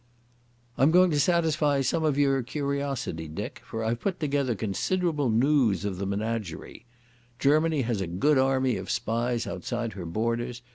"I'm going to satisfy some of your curiosity, Dick, for I've put together considerable noos of the menagerie. Germany has a good army of spies outside her borders.